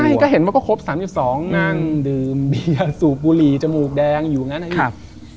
ใช่ก็เห็นว่าก็ครบ๓๒นั่งดื่มเบียร์สูบบุหรี่จมูกแดงอยู่อย่างนั้นนะครับ